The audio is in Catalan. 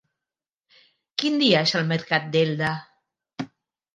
Quin dia és el mercat d'Elda?